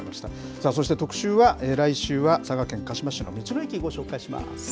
さあそして、特集は、来週は佐賀県鹿島市の道の駅、ご紹介します。